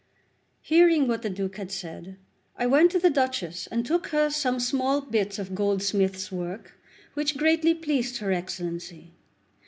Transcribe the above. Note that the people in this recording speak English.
Hearing what the Duke had said, I went to the Duchess, and took her some small bits of goldsmith's work, which greatly pleased her Excellency.